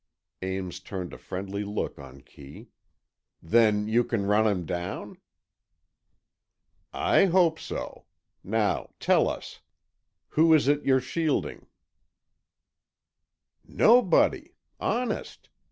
Ames turned a friendly look on Kee. "Then you can run him down?" "I hope so. Now, tell us, who is it you're shielding?" "Nobody. Honest.